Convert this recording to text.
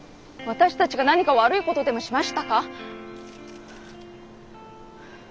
私たちが何か悪いことでもしましたか？